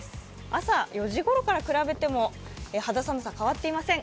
朝４時ごろから比べても、肌寒さ変わっていません。